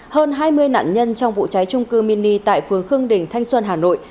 hơn hai mươi nạn nhân trong vụ cháy trung cư mini tại phường khương đình thanh xuân hà nội